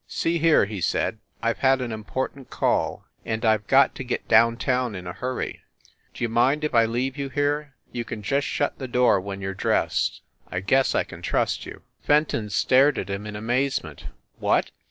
"See here," he said, "I ve had an important call, and I ve got to get down town in a hurry. D you mind if I leave you here? You can just shut the door when you re dressed. I guess I can trust you." THE SUITE AT THE PLAZA 121 Fenton stared at him in amazement. "What!